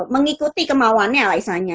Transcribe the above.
mengikuti kemauannya lah